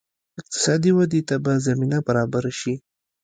اقتصادي ودې ته به زمینه برابره شي.